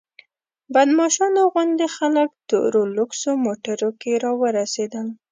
بدماشانو غوندې خلک تورو لوکسو موټرو کې راورسېدل.